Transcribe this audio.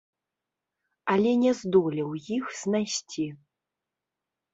Але не здолеў іх знайсці.